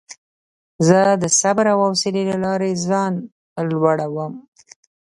زه د صبر او حوصلې له لارې ځان لوړوم.